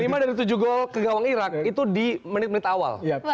dan lima dari tujuh gol ke gawang irak itu di menit menit awal